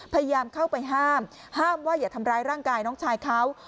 พยายามเข้าไปห้ามห้ามว่าอย่าทำร้ายร่างกายน้องชายเขา